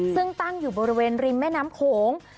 ซึ่งตั้งอยู่บริเวณริมแม่น้ำโขง